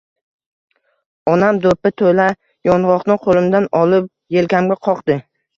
Onam do‘ppi to‘la yong‘oqni qo‘limdan olib, yelkamga qoqdi.